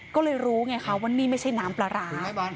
ก็เลยรู้ไงคะว่านี่ไม่ใช่น้ำปลาร้า